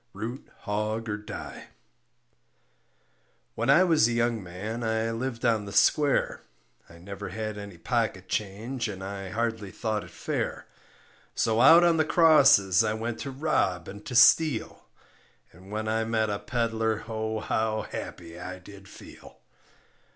ROOT HOG OR DIE When I was a young man I lived on the square, I never had any pocket change and I hardly thought it fair; So out on the crosses I went to rob and to steal, And when I met a peddler oh, how happy I did feel.